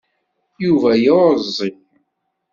Yuba yeɛẓeg.